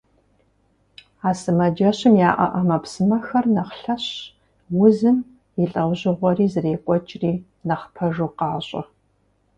А сымаджэщым яӀэ Ӏэмэпсымэхэр нэхъ лъэщщ, узым и лӀэужьыгъуэри зэрекӀуэкӀри нэхъ пэжу къащӀэ.